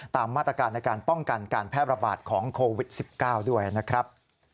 ตามมาตรการในการป้องกันการแพร่ระบาดของโควิด๑๙ด้วยนะครับ